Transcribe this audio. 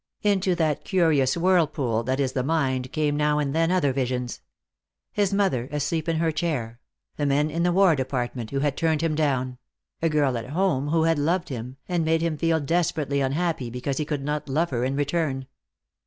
Into that curious whirlpool that is the mind came now and then other visions: His mother asleep in her chair; the men in the War Department who had turned him down; a girl at home who had loved him, and made him feel desperately unhappy because he could not love her in return.